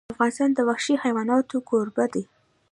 افغانستان د وحشي حیوانات کوربه دی.